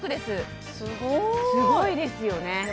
すごいですよね